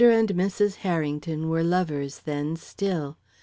and Mrs. Harrington were lovers, then, still.